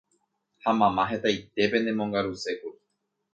ha mamá hetaite penemongarusékuri